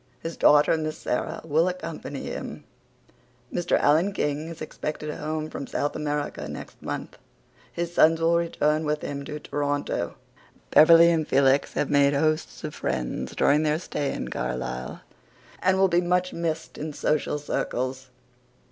His daughter, Miss Sara, will accompany him. Mr. Alan King is expected home from South America next month. His sons will return with him to Toronto. Beverley and Felix have made hosts of friends during their stay in Carlisle and will be much missed in social circles.